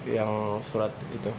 yang surat itu